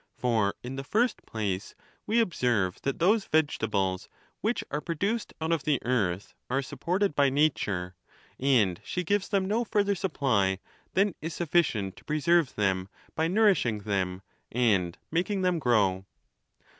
For, in the first place, we observe that those vegetables which are produced out of the earth are supported by nature, and she gives them no further supply than is sufficient to pre serve them by nourishing them and making them grow.